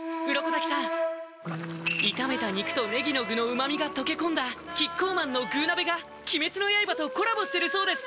鱗滝さん炒めた肉とねぎの具の旨みが溶け込んだキッコーマンの「具鍋」が鬼滅の刃とコラボしてるそうです